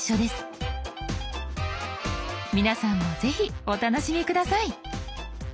皆さんもぜひお楽しみ下さい。